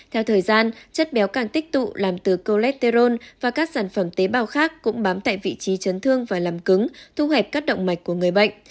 theo thời gian chất béo càng tích tụ làm từ coletterone và các sản phẩm tế bào khác cũng bám tại vị trí chấn thương và làm cứng thu hẹp các động mạch của người bệnh